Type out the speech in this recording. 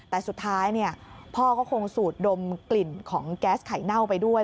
แต่สุดท้ายพ่อก็คงสูดดมกลิ่นของแก๊สไข่เน่าไปด้วย